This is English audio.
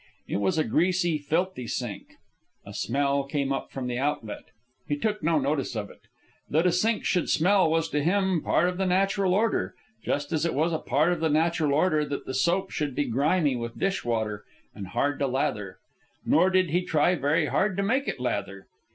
It was a greasy, filthy sink. A smell came up from the outlet. He took no notice of it. That a sink should smell was to him part of the natural order, just as it was a part of the natural order that the soap should be grimy with dish water and hard to lather. Nor did he try very hard to make it lather.